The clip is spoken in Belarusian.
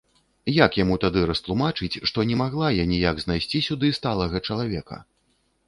Як яму тады растлумачыць, што не магла я ніяк знайсці сюды сталага чалавека!